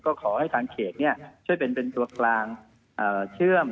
ก็ขอให้ทางเขตเนี่ยช่วยเป็นเป็นตัวกลางเชื่อม